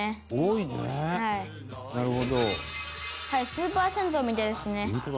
「スーパー銭湯みたいですね」